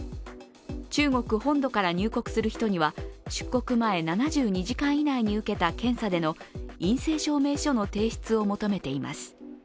中国本土から入国する人には出国前７２時間以内に受けた検査での陰性証明書の提出を求めています。